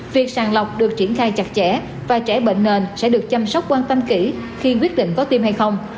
việc sàng lọc được triển khai chặt chẽ và trẻ bệnh nền sẽ được chăm sóc quan tâm kỹ khi quyết định có tiêm hay không